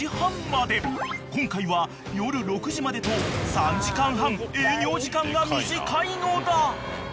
［今回は夜６時までと３時間半営業時間が短いのだ］